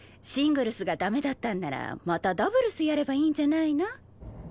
シングルスが駄目だったんならまたダブルスやればいいんじゃないの？